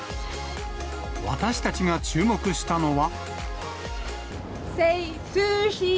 私たちが注目したのは。